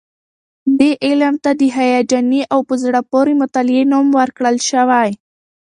دې علم ته د هیجاني او په زړه پورې مطالعې نوم ورکړل شوی.